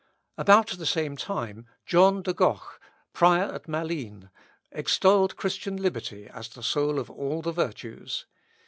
About the same time, John de Goch, prior at Malines, extolled Christian liberty as the soul of all the virtues.